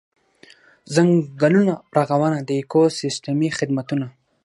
ځنګلونو رغونه د ایکوسیستمي خدمتونو.